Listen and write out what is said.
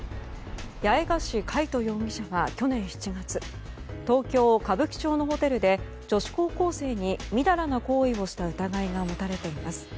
八重樫海渡容疑者は去年７月東京・歌舞伎町のホテルで女子高校生にみだらな行為をした疑いが持たれています。